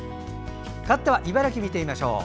かわっては茨城見てみましょう。